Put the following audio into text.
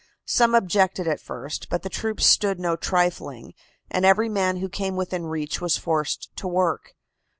Some objected at first, but the troops stood no trifling, and every man who came within reach was forced to work.